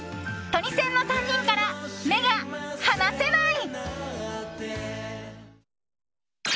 トニセンの３人から目が離せない。